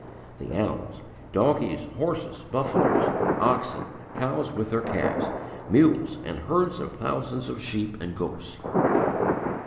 The animals donkeys, horses, buffaloes, oxen, cows with their calves, mules and herds of thousands of sheep and goats."